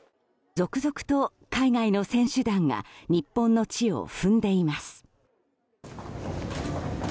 続々と海外の選手団が日本の地を踏んでいます。